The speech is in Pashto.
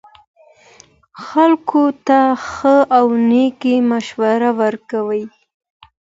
خلکو ته ښه او نیکه مشوره ورکړئ.